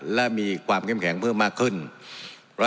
และมีความเข้มแข็งเพิ่มมากขึ้น